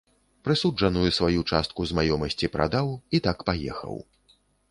Прысуджаную сваю частку з маёмасці прадаў і так паехаў.